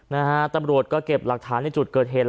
นะฮะตำรวจก็เก็บหลักฐานในจุดเกิดเหตุ